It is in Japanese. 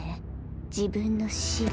自分の死を。